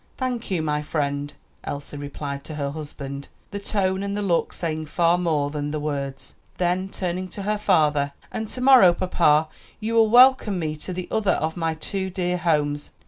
"Thank you, my friend," Elsie replied to her husband, the tone and the look saying far more than the words. Then turning to her father, "And to morrow, papa, you will welcome me to the other of my two dear homes."